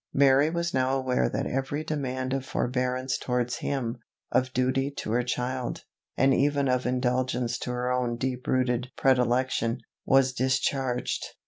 Mary was now aware that every demand of forbearance towards him, of duty to her child, and even of indulgence to her own deep rooted predilection, was discharged.